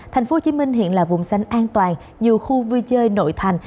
thành phố hồ chí minh hiện là vùng xanh an toàn nhiều khu vui chơi nội thành